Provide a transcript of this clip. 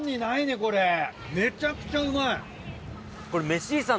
これめちゃくちゃうまい。